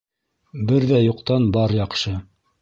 Бер ҙә юҡтан бар яҡшы.